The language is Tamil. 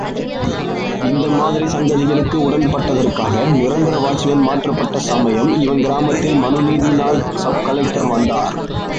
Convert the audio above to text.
இந்த மாதிரி சங்கதிகளுக்கு உடன்பட்டதற்காக நிரந்தர வாட்ச்மேன் மாற்றப்பட்ட சமயம்... இவன் கிராமத்தில் மனுநீதி நாள்... சப்கலெக்டர் வந்தார்.